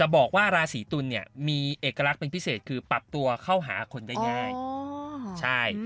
บอกว่าราศีตุลเนี่ยมีเอกลักษณ์เป็นพิเศษคือปรับตัวเข้าหาคนได้ง่ายใช่